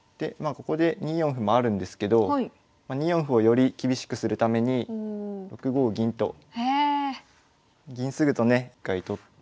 ここで２四歩もあるんですけど２四歩をより厳しくするために６五銀と銀直ぐとね一回取って。